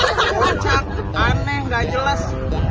itu macam aneh gak jelas